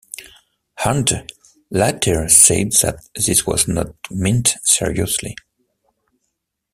Arndt later said that this was not meant seriously.